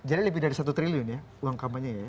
jadi lebih dari satu triliun ya uang kampanye ya